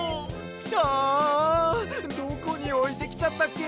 ああどこにおいてきちゃったっけ？